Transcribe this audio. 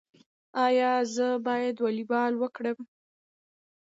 ایا زه باید والیبال وکړم؟